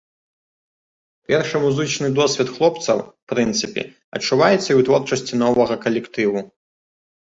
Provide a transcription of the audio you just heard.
Першы музычны досвед хлопцаў, у прынцыпе, адчуваецца і ў творчасці новага калектыву.